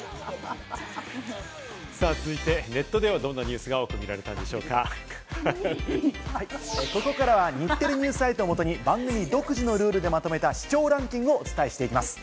続いてネットではどんなニュここからは日テレＮＥＷＳサイトをもとに番組独自のルールでまとめた視聴ランキングをお伝えしていきます。